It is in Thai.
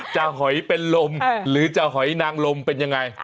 หอยเป็นลมหรือจะหอยนางลมเป็นยังไง